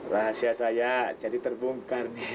rahasia saya jadi terbongkar nih